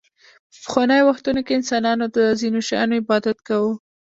په پخوانیو وختونو کې انسانانو د ځینو شیانو عبادت کاوه